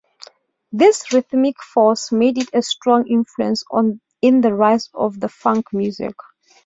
This rhythmic force made it a strong influence in the rise of funk music.